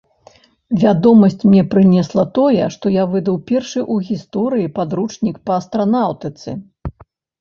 Вядомасць мне прынесла тое, што я выдаў першы ў гісторыі падручнік па астранаўтыцы.